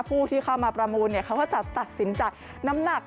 ผู้ที่เข้ามาประมูลเขาก็จะตัดสินใจน้ำหนัก